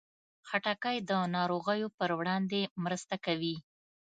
خټکی د ناروغیو پر وړاندې مرسته کوي.